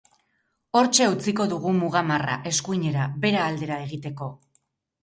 Hortxe utziko dugu muga marra, eskuinera, Bera aldera, egiteko.